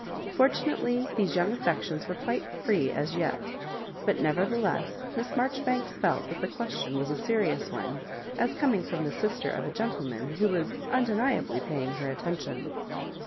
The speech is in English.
Fortu nately these young affections were quite free as yet; but nevertheless, Miss Marjoribanks felt that the question was a serious one, as coming from the sister of a gentleman who was undeni ably paying her attention.